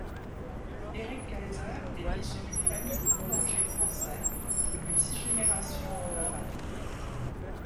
Éric Kayser est issu d'une famille de boulangers français depuis six générations en Lorraine.